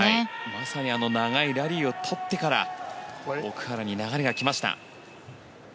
まさに長いラリーを取ってから奥原に流れが来ました。